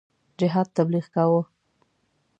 جهاد تبلیغ کاوه.